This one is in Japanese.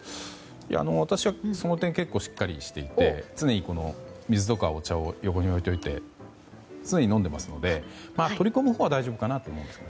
私はその点結構しっかりしていて常に水とかお茶を横に置いておいて常に飲んでますので取り込むほうは大丈夫だと思います。